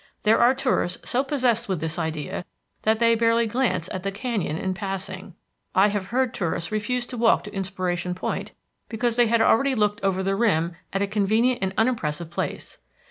There are tourists so possessed with this idea that they barely glance at the canyon in passing. I have heard tourists refuse to walk to Inspiration Point because they had already looked over the rim at a convenient and unimpressive place.